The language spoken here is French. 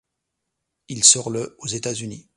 Il sort le aux États-Unis.